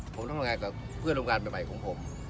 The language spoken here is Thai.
ผมต้องทำงานกับเพื่อนโรงงานใหม่ของผม